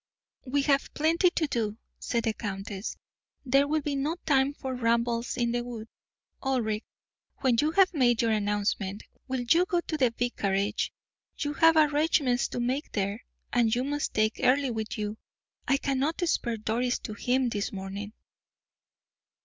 "We have plenty to do," said the countess; "there will be no time for rambles in the wood. Ulric, when you have made your announcement, will you go to the vicarage? You have arrangements to make there, and you must take Earle with you. I cannot spare Doris to him this morning."